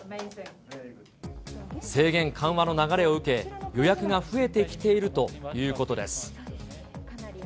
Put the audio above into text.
制限緩和の流れを受け、予約が増えてきているということです。